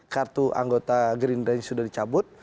kartu anggota gerindra yang sudah dicabut